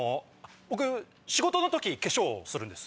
僕仕事の時化粧するんです。